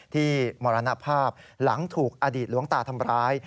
มรณภาพหลังถูกอดีตหลวงตาทำร้าย